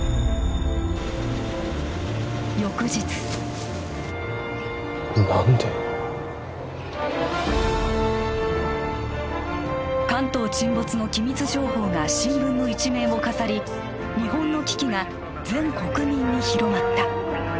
翌日何で関東沈没の機密情報が新聞の一面を飾り日本の危機が全国民に広まった